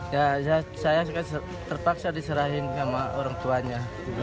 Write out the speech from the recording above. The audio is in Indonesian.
ya saya terpaksa diserahin sama orang tuanya